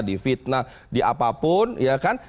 di fitnah diapapun ya kan